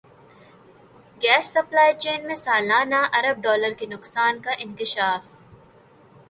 gas supply chain میں سالانہ ارب ڈالر کے نقصان کا انکشاف